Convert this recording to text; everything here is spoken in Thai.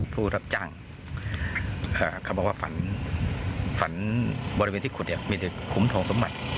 ผู้รับจ้างเขาบอกว่าฝันฝันบริเวณที่ขุดเนี่ยมีแต่ขุมทองสมบัติ